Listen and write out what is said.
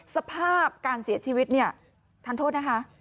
สภาพการเสียชีวิตเนี่ยทันโทษนะคะ